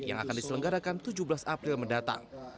yang akan diselenggarakan tujuh belas april mendatang